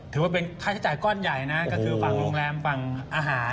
ถือว่าเป็นค่าใช้จ่ายก้อนใหญ่นะก็คือฝั่งโรงแรมฝั่งอาหาร